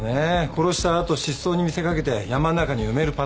殺した後失踪に見せ掛けて山の中に埋めるパターンだ。